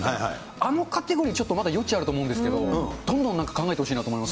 あのカテゴリー、まだ余地あると思うんですけれども、どんどんなんか考えてほしいなと思います。